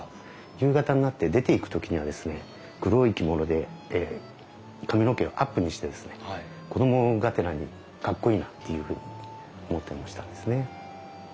夕方になって出ていく時にはですね黒い着物で髪の毛をアップにしてですね子供がてらにかっこいいなっていうふうに思ってましたですね。